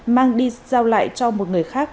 mang đi giao lại cho một người khác